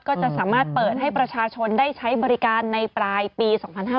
ก็จะสามารถเปิดให้ประชาชนได้ใช้บริการในปลายปี๒๕๕๙